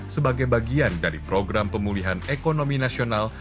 sebagai bagian dari program pemulihan ekonomi nasional